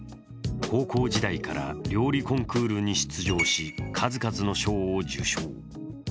高校時代から料理コンクールに出場し、数々の賞を受賞。